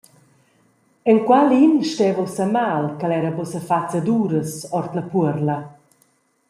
Enqualin steva ussa mal ch’el era buca sefatgs ad uras ord la puorla.